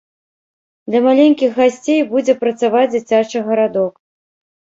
Для маленькіх гасцей будзе працаваць дзіцячы гарадок.